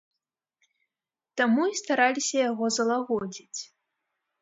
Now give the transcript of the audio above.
Таму і стараліся яго залагодзіць.